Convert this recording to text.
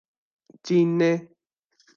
چینّے